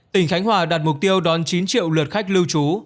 tỉnh khánh hòa đặt mục tiêu đón chín triệu lượt khách lưu trú